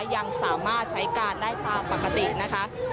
ยังสามารถใช้การได้ตามปกตินะคะ